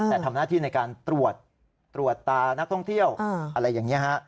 แต่ทำหน้าที่ในการตรวจตรวจตานักท่องเที่ยวอะไรอย่างนี้ฮะ